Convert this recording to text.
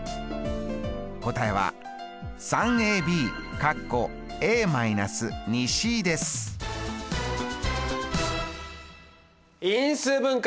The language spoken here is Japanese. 答えは因数分解